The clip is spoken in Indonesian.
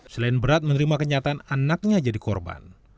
selain berat menerima kenyataan anaknya jadi korban